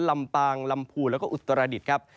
ลำปางลำพูนแล้วก็อุตรดิษฐ์ครับ